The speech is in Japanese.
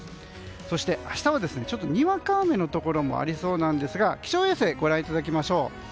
そして、明日はにわか雨のところがありそうなんですが気象衛星をご覧いただきましょう。